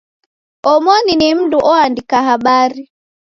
Omoni ni mndu oandika habari.